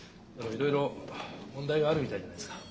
いろいろ問題があるみたいじゃないですか。